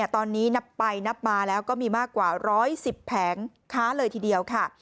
ตอนนี้นับไปนับมาแล้วก็มีมากกว่า๑๑๐แผงค้าเลยทีเดียวค่ะ